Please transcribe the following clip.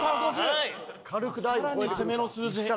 更に攻めの数字。